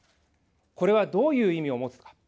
これはどういう意味を持つのか。